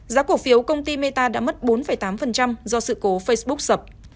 giá cổ phiếu công ty meta đã mất bốn tám do sự cố facebook sập